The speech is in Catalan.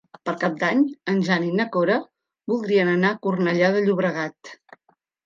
Per Cap d'Any en Jan i na Cora voldrien anar a Cornellà de Llobregat.